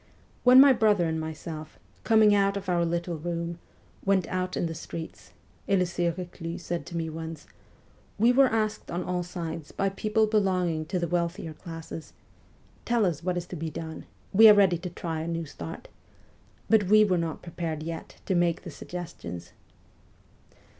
' When my brother and myself, coming out of our little room, went out in the streets,' Elisee Reclus said to me once, ' we were asked on all sides by people belonging to the wealthier classes :" Tell us what is to be done ? We are ready to try a new start ;" but we were not prepared yet to make the suggestions.'